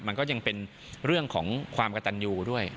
มันก็ยังเป็นเรื่องของความกระตันยูด้วย